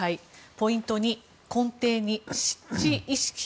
ポイント２、根底に失地意識。